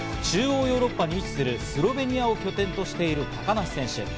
中央ヨーロッパに位置するスロベニアを拠点としている高梨選手。